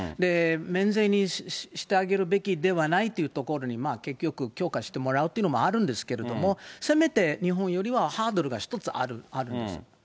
免税にしてあげるべきではないというところに、結局、強化してもらうっていうのもあるんですけれども、せめて日本よりはハードルが一つあるんです。